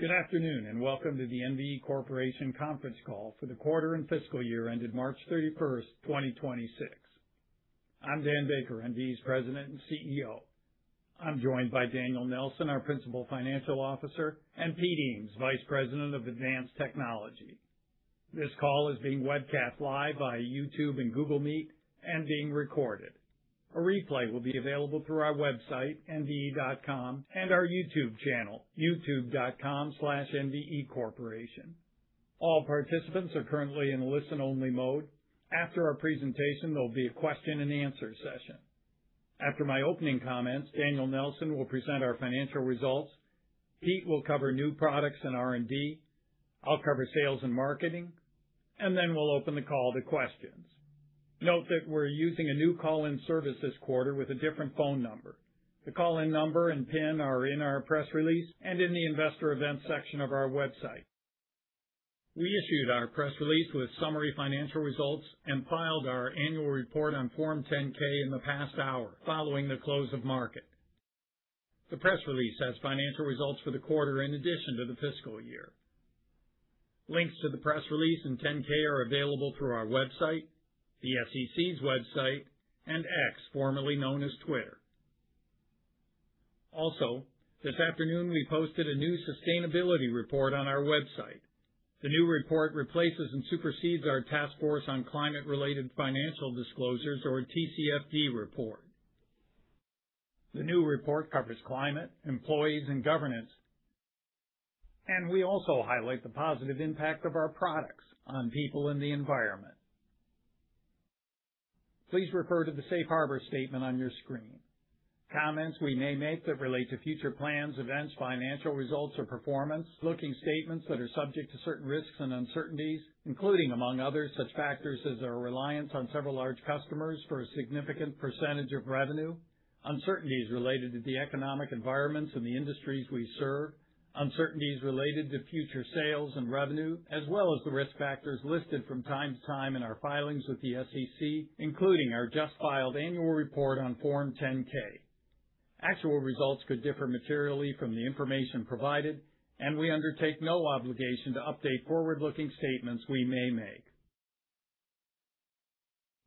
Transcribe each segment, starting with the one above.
Good afternoon, and welcome to the NVE Corporation conference call for the quarter and fiscal year ended March 31st, 2026. I'm Dan Baker, NVE's President and CEO. I'm joined by Daniel Nelson, our Principal Financial Officer, and Pete Eames, Vice President of Advanced Technology. This call is being webcast live via YouTube and Google Meet and being recorded. A replay will be available through our website, nve.com, and our YouTube channel, youtube.com/nvecorporation. All participants are currently in listen-only mode. After our presentation, there'll be a question-and-answer session. After my opening comments, Daniel Nelson will present our financial results. Pete will cover new products and R&D. I'll cover sales and marketing, and then we'll open the call to questions. Note that we're using a new call-in service this quarter with a different phone number. The call-in number and pin are in our press release and in the investor events section of our website. We issued our press release with summary financial results and filed our annual report on Form 10-K in the past hour following the close of market. The press release has financial results for the quarter in addition to the fiscal year. Links to the press release and 10-K are available through our website, the SEC's website, and X, formerly known as Twitter. Also, this afternoon, we posted a new sustainability report on our website. The new report replaces and supersedes our Task Force on Climate-related Financial Disclosures, or TCFD report. The new report covers climate, employees, and governance, and we also highlight the positive impact of our products on people and the environment. Please refer to the Safe Harbor statement on your screen. Comments we may make that relate to future plans, events, financial results or performance, forward-looking statements that are subject to certain risks and uncertainties, including, among others, such factors as our reliance on several large customers for a significant percentage of revenue, uncertainties related to the economic environments in the industries we serve, uncertainties related to future sales and revenue, as well as the risk factors listed from time to time in our filings with the SEC, including our just filed annual report on Form 10-K. Actual results could differ materially from the information provided, and we undertake no obligation to update forward-looking statements we may make.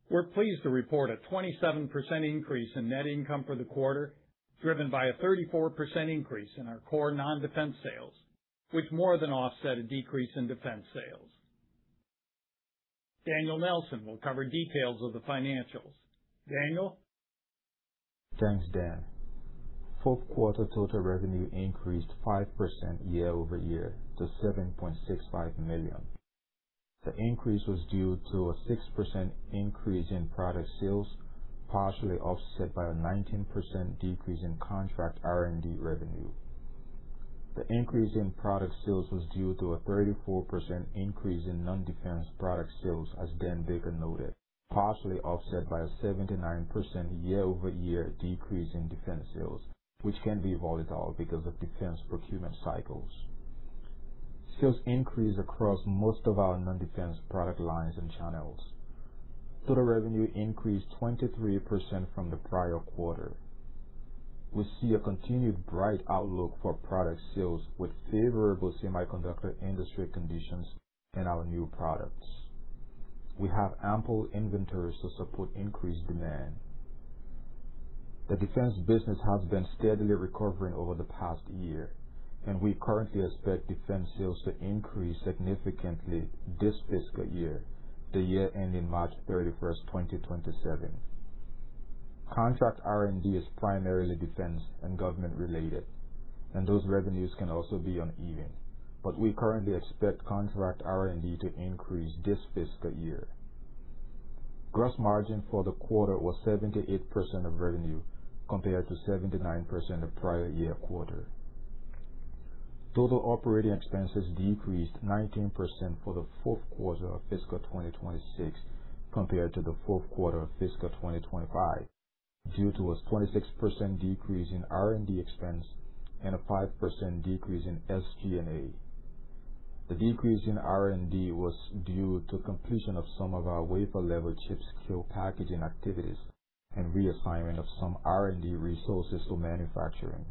We're pleased to report a 27% increase in net income for the quarter, driven by a 34% increase in our core non-defense sales, which more than offset a decrease in defense sales. Daniel Nelson will cover details of the financials. Daniel. Thanks, Dan. Fourth quarter total revenue increased 5% year-over-year to $7.65 million. The increase was due to a 6% increase in product sales, partially offset by a 19% decrease in contract R&D revenue. The increase in product sales was due to a 34% increase in non-defense product sales, as Dan Baker noted, partially offset by a 79% year-over-year decrease in defense sales, which can be volatile because of defense procurement cycles. Sales increased across most of our non-defense product lines and channels. Total revenue increased 23% from the prior quarter. We see a continued bright outlook for product sales with favorable semiconductor industry conditions and our new products. We have ample inventories to support increased demand. The defense business has been steadily recovering over the past year, and we currently expect defense sales to increase significantly this fiscal year, the year ending March 31st, 2027. Contract R&D is primarily defense and government related, and those revenues can also be uneven. We currently expect contract R&D to increase this fiscal year. Gross margin for the quarter was 78% of revenue compared to 79% of prior year quarter. Total operating expenses decreased 19% for the fourth quarter of fiscal 2026 compared to the fourth quarter of fiscal 2025, due to a 26% decrease in R&D expense and a 5% decrease in SG&A. The decrease in R&D was due to completion of some of our wafer-level chip-scale packaging activities and reassignment of some R&D resources to manufacturing.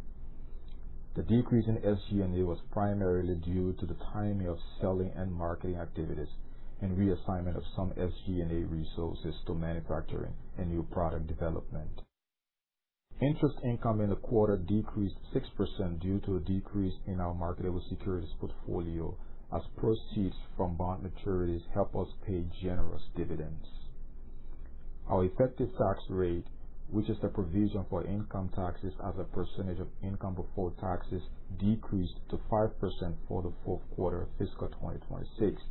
The decrease in SG&A was primarily due to the timing of selling and marketing activities and reassignment of some SG&A resources to manufacturing and new product development. Interest income in the quarter decreased 6% due to a decrease in our marketable securities portfolio as proceeds from bond maturities help us pay generous dividends. Our effective tax rate, which is the provision for income taxes as a percentage of income before taxes, decreased to 5% for the fourth quarter of fiscal 2026,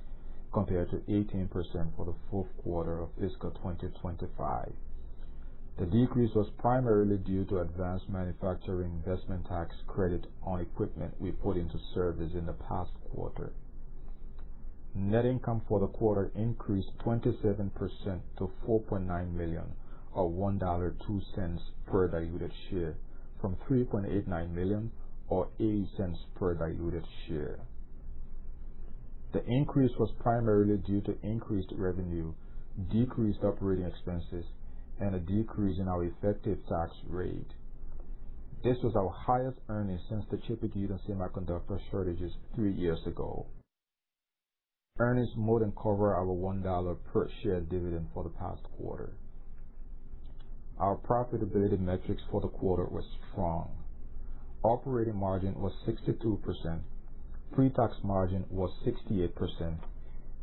compared to 18% for the fourth quarter of fiscal 2025. The decrease was primarily due to Advanced Manufacturing Investment Tax Credit on equipment we put into service in the past quarter. Net income for the quarter increased 27% to $4.9 million, or $1.02 per diluted share from $3.89 million, or $0.80 per diluted share. The increase was primarily due to increased revenue, decreased operating expenses, and a decrease in our effective tax rate. This was our highest earnings since the chip and semiconductor shortages three years ago. Earnings more than cover our $1 per share dividend for the past quarter. Our profitability metrics for the quarter were strong. Operating margin was 62%, pre-tax margin was 68%,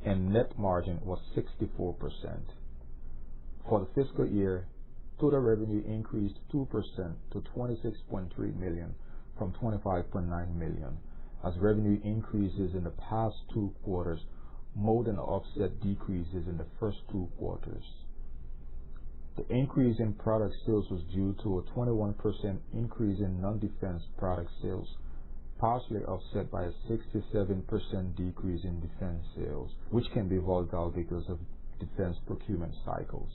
and net margin was 64%. For the fiscal year, total revenue increased 2% to $26.3 million from $25.9 million, as revenue increases in the past two quarters more than offset decreases in the first two quarters. The increase in product sales was due to a 21% increase in non-defense product sales, partially offset by a 67% decrease in defense sales, which can be volatile because of defense procurement cycles.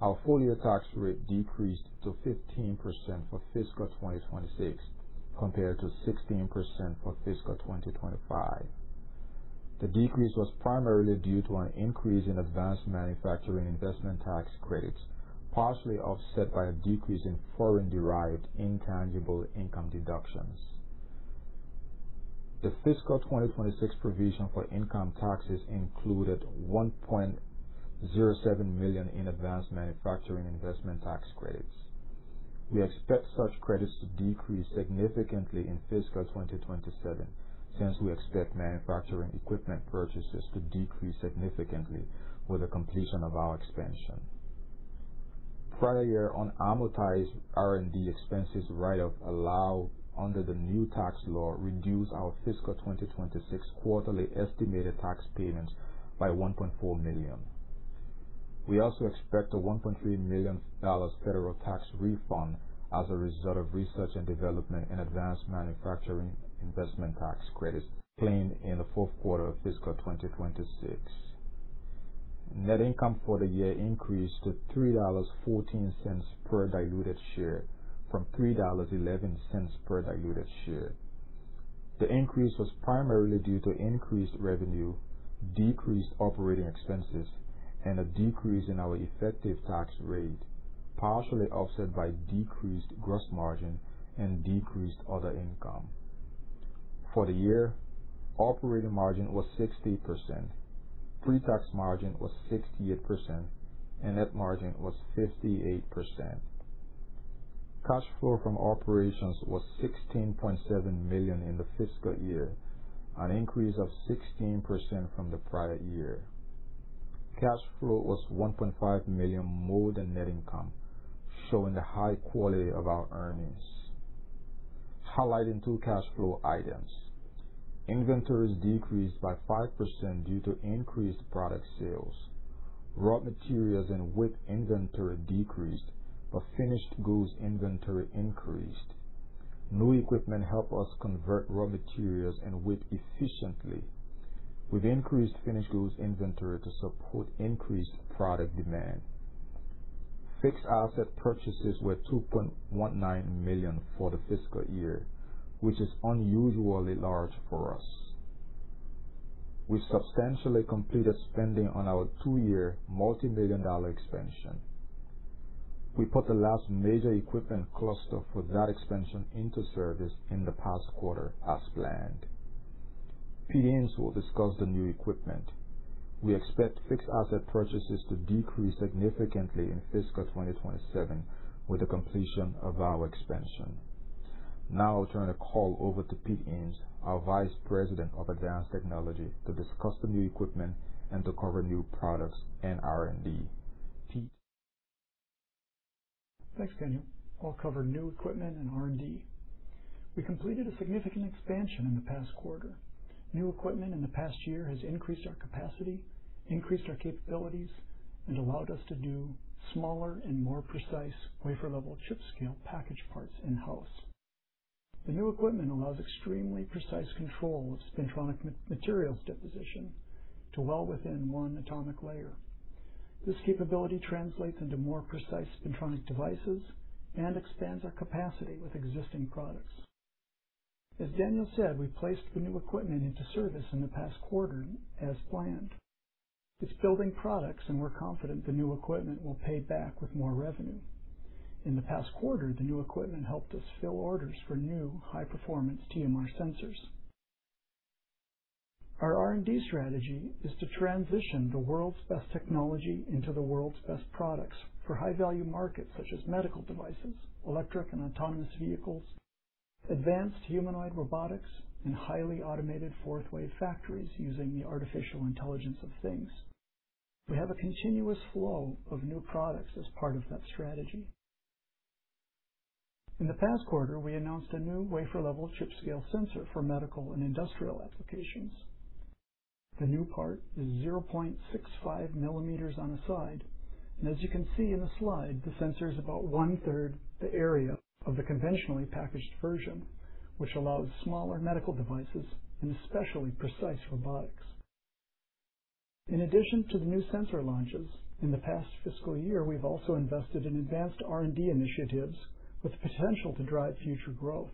Our full-year tax rate decreased to 15% for fiscal 2026 compared to 16% for fiscal 2025. The decrease was primarily due to an increase in Advanced Manufacturing Investment Tax Credits, partially offset by a decrease in foreign-derived intangible income deductions. The fiscal 2026 provision for income taxes included $1.07 million in Advanced Manufacturing Investment Tax Credits. We expect such credits to decrease significantly in fiscal 2027, since we expect manufacturing equipment purchases to decrease significantly with the completion of our expansion. Prior year unamortized R&D expenses write-off allowed under the new tax law reduced our fiscal 2026 quarterly estimated tax payments by $1.4 million. We also expect a $1.3 million federal tax refund as a result of research and development in Advanced Manufacturing Investment Tax Credits claimed in the fourth quarter of fiscal 2026. Net income for the year increased to $3.14 per diluted share from $3.11 per diluted share. The increase was primarily due to increased revenue, decreased operating expenses, and a decrease in our effective tax rate, partially offset by decreased gross margin and decreased other income. For the year, operating margin was 60%, pre-tax margin was 68%, and net margin was 58%. Cash flow from operations was $16.7 million in the fiscal year, an increase of 16% from the prior year. Cash flow was $1.5 million more than net income, showing the high quality of our earnings. Highlighting two cash flow items. Inventories decreased by 5% due to increased product sales. Raw materials and WIP inventory decreased, but finished goods inventory increased. New equipment help us convert raw materials and WIP efficiently with increased finished goods inventory to support increased product demand. Fixed asset purchases were $2.19 million for the fiscal year, which is unusually large for us. We substantially completed spending on our two year multimillion-dollar expansion. We put the last major equipment cluster for that expansion into service in the past quarter as planned. Pete Eames will discuss the new equipment. We expect fixed asset purchases to decrease significantly in fiscal 2027 with the completion of our expansion. Now I'll turn the call over to Pete Eames, our Vice President of Advanced Technology, to discuss the new equipment and to cover new products and R&D. Pete? Thanks, Daniel. I'll cover new equipment and R&D. We completed a significant expansion in the past quarter. New equipment in the past year has increased our capacity, increased our capabilities, and allowed us to do smaller and more precise wafer-level chip-scale package parts in-house. The new equipment allows extremely precise control of spintronic materials deposition to well within one atomic layer. This capability translates into more precise spintronic devices and expands our capacity with existing products. As Daniel said, we placed the new equipment into service in the past quarter as planned. It's building products, and we're confident the new equipment will pay back with more revenue. In the past quarter, the new equipment helped us fill orders for new high-performance TMR sensors. Our R&D strategy is to transition the world's best technology into the world's best products for high-value markets such as medical devices, electric and autonomous vehicles, advanced humanoid robotics, and highly automated fourth wave factories using the artificial intelligence of things. We have a continuous flow of new products as part of that strategy. In the past quarter, we announced a new wafer-level chip-scale sensor for medical and industrial applications. The new part is 0.65 mm on a side, and as you can see in the slide, the sensor is about 1/3 the area of the conventionally packaged version, which allows smaller medical devices and especially precise robotics. In addition to the new sensor launches, in the past fiscal year, we've also invested in advanced R&D initiatives with potential to drive future growth,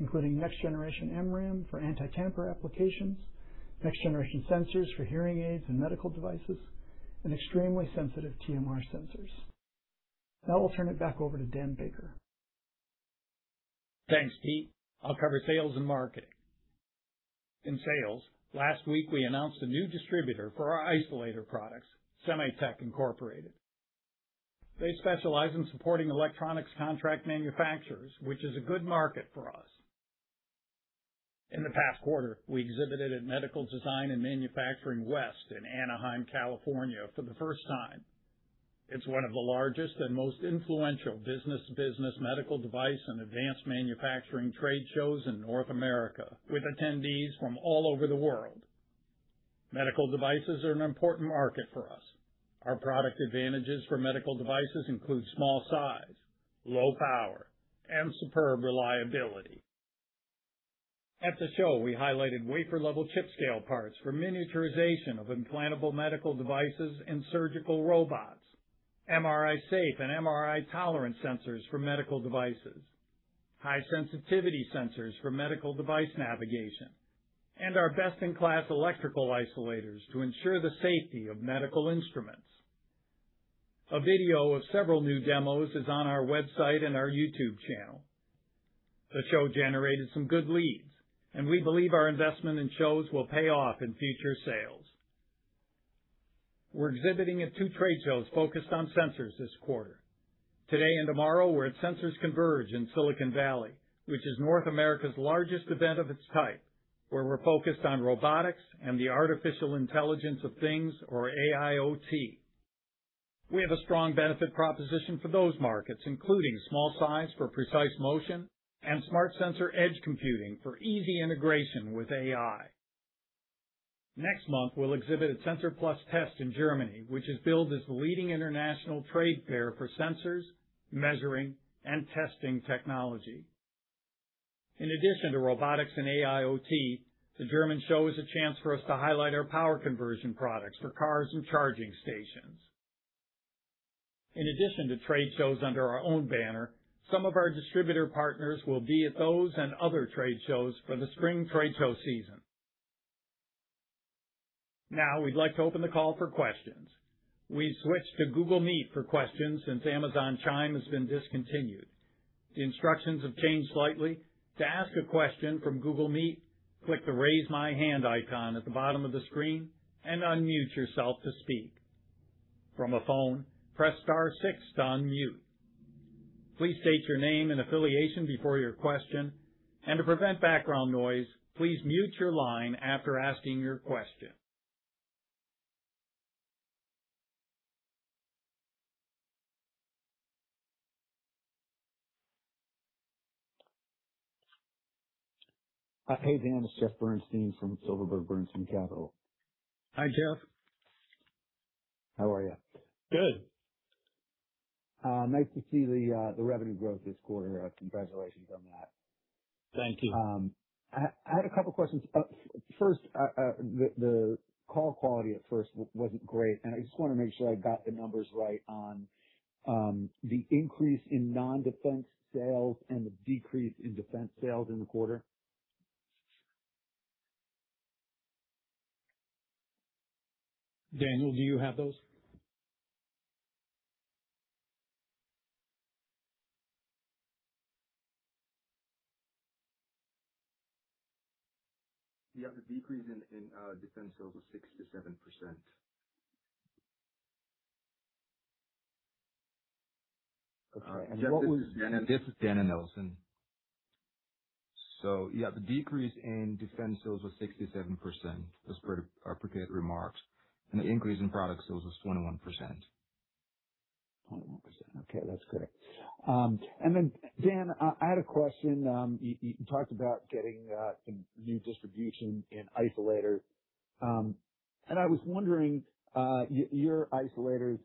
including next generation MRAM for anti-tamper applications, next generation sensors for hearing aids and medical devices, and extremely sensitive TMR sensors. Now I'll turn it back over to Dan Baker. Thanks, Pete. I'll cover sales and marketing. In sales, last week we announced a new distributor for our isolator products, Semitech Incorporated. They specialize in supporting electronics contract manufacturers, which is a good market for us. In the past quarter, we exhibited at Medical Design and Manufacturing West in Anaheim, California for the first time. It's one of the largest and most influential business-to-business medical device and advanced manufacturing trade shows in North America, with attendees from all over the world. Medical devices are an important market for us. Our product advantages for medical devices include small size, low power, and superb reliability. At the show, we highlighted wafer-level chip-scale parts for miniaturization of implantable medical devices and surgical robots, MRI safe and MRI tolerant sensors for medical devices, high sensitivity sensors for medical device navigation, and our best-in-class electrical isolators to ensure the safety of medical instruments. A video of several new demos is on our website and our YouTube channel. The show generated some good leads, and we believe our investment in shows will pay off in future sales. We're exhibiting at two trade shows focused on sensors this quarter. Today and tomorrow, we're at Sensors Converge in Silicon Valley, which is North America's largest event of its type, where we're focused on robotics and the artificial intelligence of things, or AIoT. We have a strong benefit proposition for those markets, including small size for precise motion and smart sensor edge computing for easy integration with AI. Next month, we'll exhibit at SENSOR+TEST in Germany, which is billed as the leading international trade fair for sensors, measuring, and testing technology. In addition to robotics and AIoT, the German show is a chance for us to highlight our power conversion products for cars and charging stations. In addition to trade shows under our own banner, some of our distributor partners will be at those and other trade shows for the spring trade show season. Now, we'd like to open the call for questions. We've switched to Google Meet for questions since Amazon Chime has been discontinued. The instructions have changed slightly. To ask a question from Google Meet, click the raise my hand icon at the bottom of the screen and unmute yourself to speak. From a phone, press star six to unmute. Please state your name and affiliation before your question, and to prevent background noise, please mute your line after asking your question. Hey, Dan. It's Jeff Bernstein from Silverberg Bernstein Capital. Hi, Jeff. How are you? Good. Nice to see the revenue growth this quarter. Congratulations on that. Thank you. I had a couple questions. First, the call quality at first wasn't great, and I just wanna make sure I got the numbers right on the increase in non-defense sales and the decrease in defense sales in the quarter. Daniel, do you have those? Yeah, the decrease in defense sales was 67%. Okay. This is Daniel Nelson. Yeah, the decrease in defense sales was 67%, as per our prepared remarks, and the increase in product sales was 21%. 21%. Okay, that's clear. Dan, I had a question. You talked about getting new distribution in isolators. I was wondering, your isolators,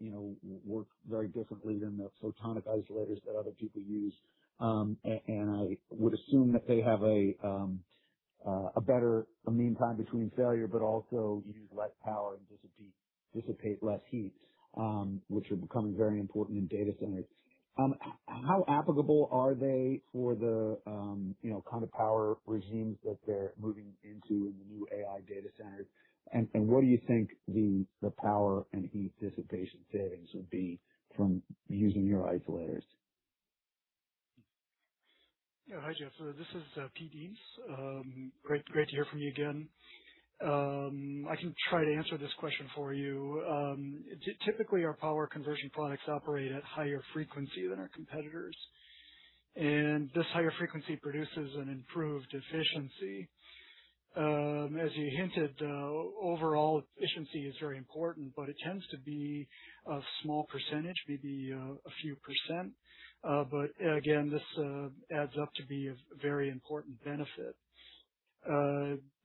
you know, work very differently than the photonic isolators that other people use. I would assume that they have a better mean time between failure, but also use less power and dissipate less heat, which are becoming very important in data centers. How applicable are they for the, you know, kind of power regimes that they're moving into in the new AI data centers? What do you think the power and heat dissipation savings would be from using your isolators? Yeah. Hi, Jeff. This is Pete Eames. Great to hear from you again. I can try to answer this question for you. Typically, our power conversion products operate at higher frequency than our competitors, and this higher frequency produces an improved efficiency. As you hinted, overall efficiency is very important, but it tends to be a small percentage, maybe a few percent. Again, this adds up to be a very important benefit.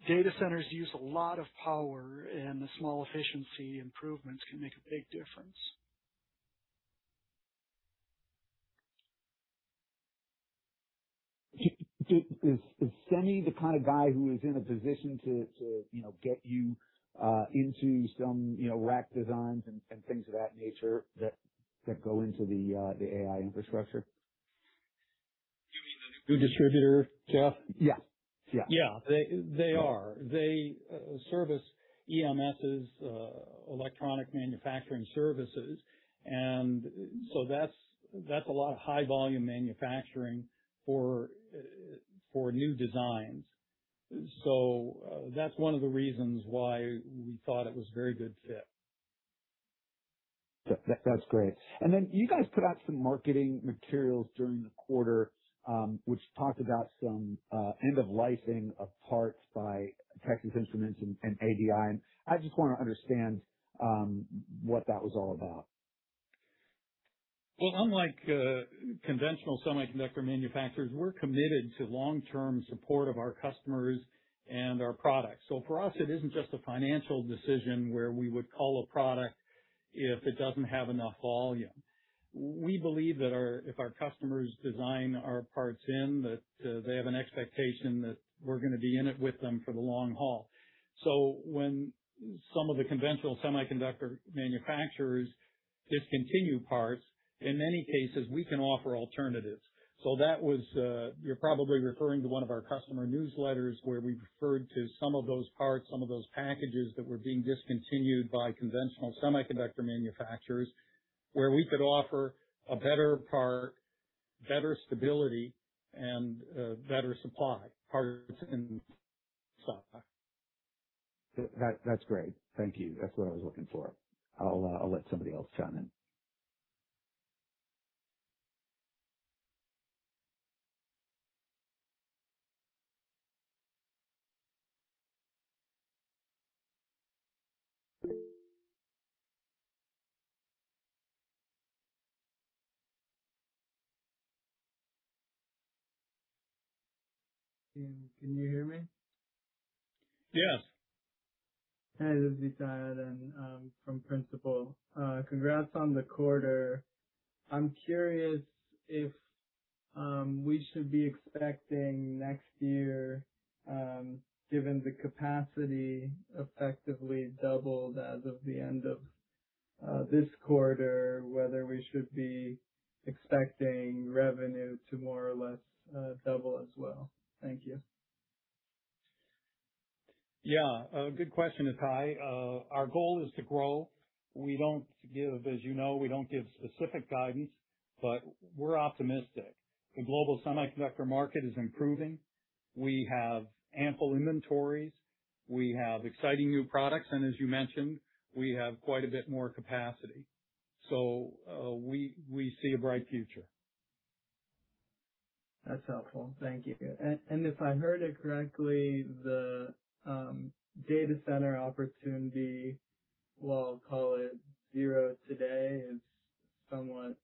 Data centers use a lot of power, and the small efficiency improvements can make a big difference. Is Semi the kind of guy who is in a position to, you know, get you into some, you know, rack designs and things of that nature that go into the AI infrastructure? You mean as a distributor, Jeff? Yeah. Yeah. Yeah. They are. They service EMSs, electronic manufacturing services. That's a lot of high volume manufacturing for new designs. That's one of the reasons why we thought it was a very good fit. That's great. You guys put out some marketing materials during the quarter, which talked about some end of life-ing of parts by Texas Instruments and ADI, and I just wanna understand what that was all about. Well, unlike conventional semiconductor manufacturers, we're committed to long-term support of our customers and our products. For us, it isn't just a financial decision where we would call a product if it doesn't have enough volume. We believe that our, if our customers design our parts in, that they have an expectation that we're gonna be in it with them for the long haul. When some of the conventional semiconductor manufacturers discontinue parts, in many cases, we can offer alternatives. That was, you're probably referring to one of our customer newsletters where we referred to some of those parts, some of those packages that were being discontinued by conventional semiconductor manufacturers, where we could offer a better part, better stability and better supply, parts and supply. That's great. Thank you. That's what I was looking for. I'll let somebody else chime in. Can you hear me? Yes. Hi, this is Ittai Eden, from Principal. Congrats on the quarter. I'm curious if we should be expecting next year, given the capacity effectively doubled as of the end of this quarter, whether we should be expecting revenue to more or less double as well. Thank you. Yeah. A good question, Ittai. Our goal is to grow. We don't give, as you know, we don't give specific guidance, but we're optimistic. The global semiconductor market is improving. We have ample inventories, we have exciting new products, and as you mentioned, we have quite a bit more capacity. We see a bright future. That's helpful. Thank you. If I heard it correctly, the data center opportunity, well, I'll call it zero today, is somewhat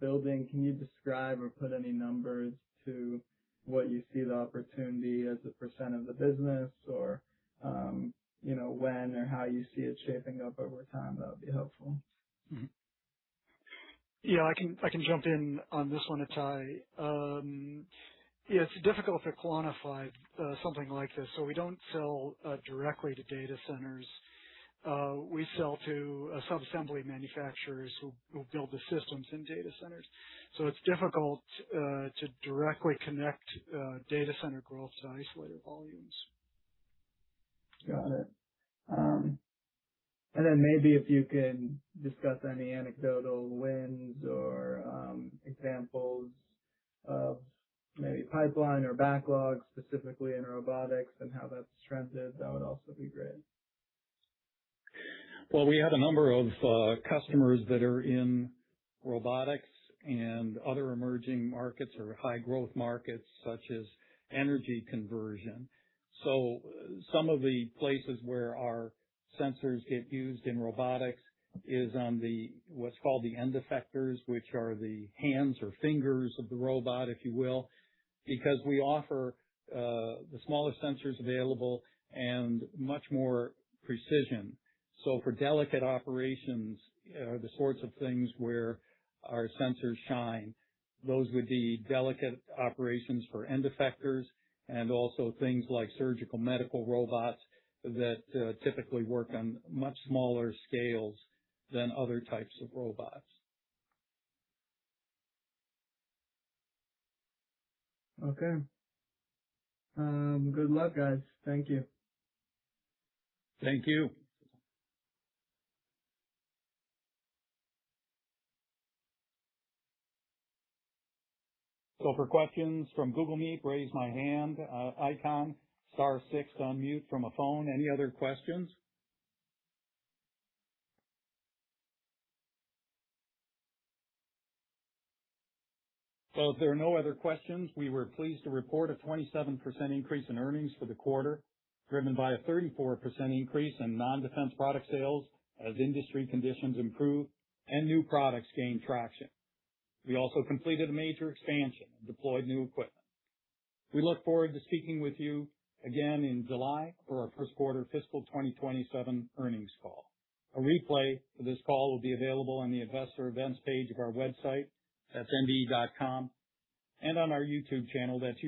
building. Can you describe or put any numbers to what you see the opportunity as a percent of the business or, you know, when or how you see it shaping up over time? That would be helpful. Yeah, I can jump in on this one, Ittai. Yeah, it's difficult to quantify something like this. We don't sell directly to data centers. We sell to sub-assembly manufacturers who build the systems in data centers. It's difficult to directly connect data center growth to isolator volumes. Got it. Then maybe if you can discuss any anecdotal wins or examples of maybe pipeline or backlogs specifically in robotics and how that's trended, that would also be great. We have a number of customers that are in robotics and other emerging markets or high growth markets such as energy conversion. Some of the places where our sensors get used in robotics is on the, what's called the end effectors, which are the hands or fingers of the robot, if you will, because we offer the smallest sensors available and much more precision. For delicate operations are the sorts of things where our sensors shine. Those would be delicate operations for end effectors and also things like surgical medical robots that typically work on much smaller scales than other types of robots. Okay. Good luck, guys. Thank you. Thank you. For questions from Google Meet, raise my hand icon, star six to unmute from a phone. Any other questions? If there are no other questions, we were pleased to report a 27% increase in earnings for the quarter, driven by a 34% increase in non-defense product sales as industry conditions improve and new products gain traction. We also completed a major expansion and deployed new equipment. We look forward to speaking with you again in July for our first quarter fiscal 2027 earnings call. A replay for this call will be available on the investor events page of our website, that's nve.com, and on our YouTube channel.